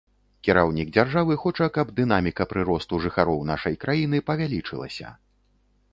Кіраўнік дзяржавы хоча, каб дынаміка прыросту жыхароў нашай краіны павялічылася.